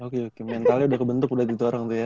oke oke mentalnya udah kebentuk udah gitu orang tuh ya